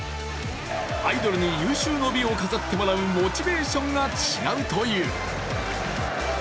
アイドルに有終の美を飾ってもらうモチベーションが違うという。